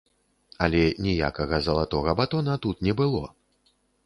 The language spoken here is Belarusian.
Але ніякага залатога батона тут не было!